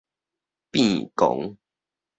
變狂